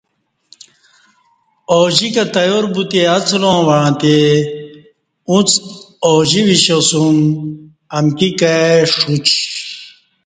اوجِکہ تیار بُوتی اڅلاں وعݩتی اُݩڅ اوجی وِشیاسُوم امکی کائی ݜوچ